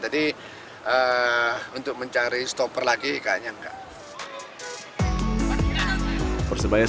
jadi untuk mencari stopper lagi kayaknya enggak